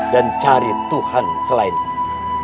dan cari tuhan selainku